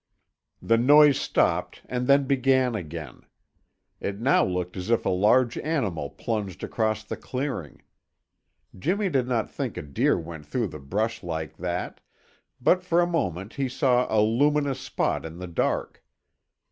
The noise stopped and then began again. It now looked as if a large animal plunged across the clearing. Jimmy did not think a deer went through the brush like that, but for a moment he saw a luminous spot in the dark.